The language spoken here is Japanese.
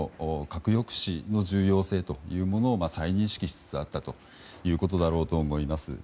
核抑止の重要性というものを再認識しつつあったということだと思います。